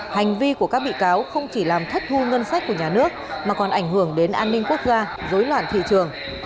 hành vi của các bị cáo không chỉ làm thất thu ngân sách của nhà nước mà còn ảnh hưởng đến an ninh quốc gia dối loạn thị trường